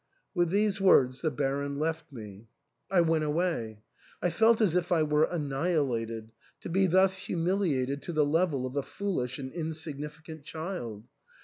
With these words the Baron left me. I went away. I felt as if I were annihilated, to be thus humiliated to the level of a foolish and insignificant child.